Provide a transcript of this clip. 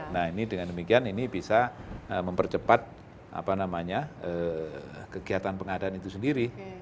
nah ini dengan demikian ini bisa mempercepat kegiatan pengadaan itu sendiri